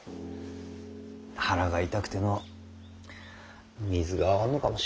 腹が痛くてのう水が合わんのかもしれん。